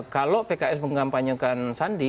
kalau pks mengkampanyekan sandi